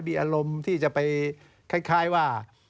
มีอารมณ์ที่จะไปคล้ายว่า